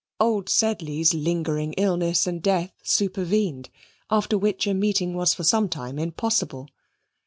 Old Sedley's lingering illness and death supervened, after which a meeting was for some time impossible.